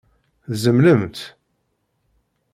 Tzemlemt?